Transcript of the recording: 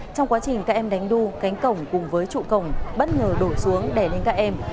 trong quá trình các em đánh đu cánh cổng cùng với trụ cổng bất ngờ đổ xuống đè lên các em